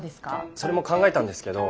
それも考えたんですけど